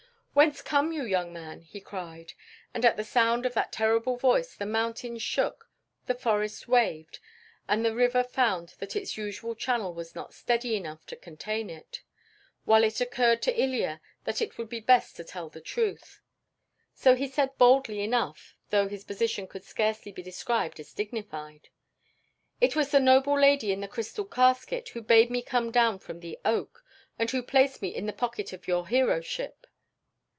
"Whence come you, young man?" he cried, and at the sound of that terrible voice the mountains shook, the forests waved, and the river found that its usual channel was not steady enough to contain it, while it occurred to Ilya that it would be best to tell the truth. So he said boldly enough, though his position could scarcely be described as dignified: "It was the noble lady in the crystal casket who bade me come down from the oak, and who placed me in the pocket of your hero ship."